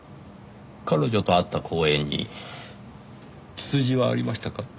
彼女と会った公園にツツジはありましたか？